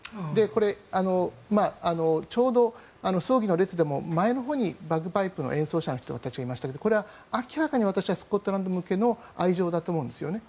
これ、ちょうど葬儀の列でも前のほうにバグパイプの演奏者の人たちがいましたがこれは明らかに私はスコットランド向けの愛情だと思うんですよね。